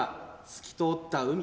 透き通った海！